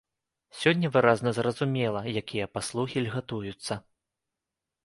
Сёння выразна зразумела, якія паслугі льгатуюцца.